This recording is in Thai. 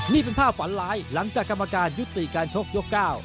นี่เป็นภาพฝันร้ายหลังจากกรรมการยุติการชกยก๙